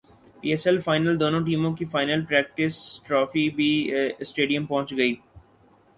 پی S L final دونوں ٹیموں کی فائنل پریکٹسٹرافی بھی اسٹیڈیم پہنچ گئی